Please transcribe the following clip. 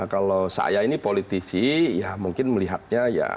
kalau saya ini politisi ya mungkin melihatnya ya